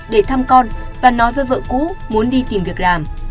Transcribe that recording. để thăm con và nói với vợ cũ muốn đi tìm việc làm